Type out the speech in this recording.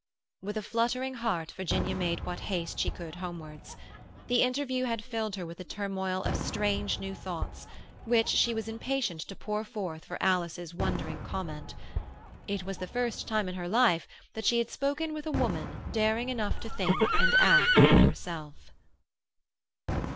With a fluttering heart Virginia made what haste she could homewards. The interview had filled her with a turmoil of strange new thoughts, which she was impatient to pour forth for Alice's wondering comment. It was the first time in her life that she had spoken with a woman daring enough to think and act for herself.